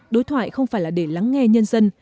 đối thoại không phải là để lắng nghe nhân dân